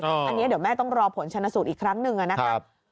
อันนี้เดี๋ยวแม่ต้องรอผลชนะสูตรอีกครั้งหนึ่งนะครับ